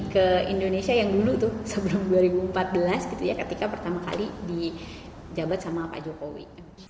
ke indonesia yang dulu tuh sebelum dua ribu empat belas gitu ya ketika pertama kali di jabat sama pak jokowi